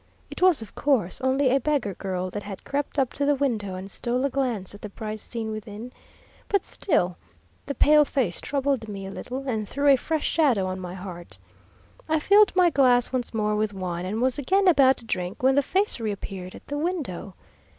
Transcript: It was, of course, only a beggar girl that had crept up to the window and stole a glance at the bright scene within; but still the pale face troubled me a little, and threw a fresh shadow on my heart. I filled my glass once more with wine, and was again about to drink, when the face reappeared at the window.